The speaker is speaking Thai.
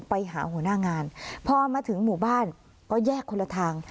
ไปหาหัวหน้างานพอมาถึงหมู่บ้านก็แยกคนละทาง